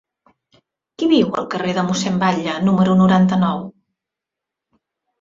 Qui viu al carrer de Mossèn Batlle número noranta-nou?